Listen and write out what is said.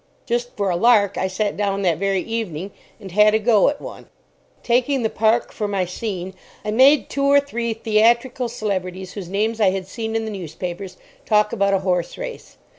Just for a lark, I sat down that very evening and had a go at one. Taking the Park for my scene, I made two or three theatrical celebrities whose names I had seen in the newspapers talk about a horse race.